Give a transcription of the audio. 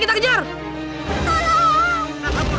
kurang aja sekribut